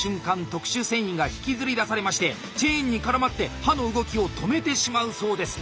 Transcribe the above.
特殊繊維が引きずり出されましてチェーンに絡まって刃の動きを止めてしまうそうです。